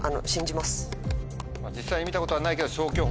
実際に見たことはないけど。